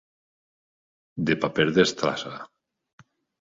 De paper d'estrassa.